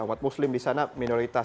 umat muslim disana minoritas